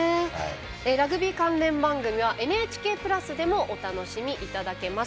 ラグビー関連番組はＮＨＫプラスでもお楽しみいただけます。